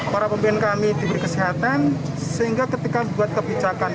para pemimpin kami diberi kesehatan sehingga ketika buat kebijakan